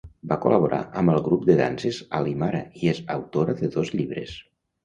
Va col·laborar amb el grup de danses Alimara i és autora de dos llibres.